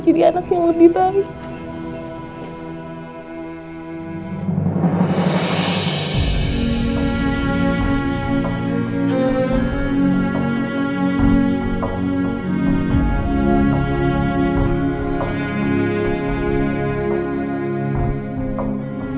jadi anak yang lebih baik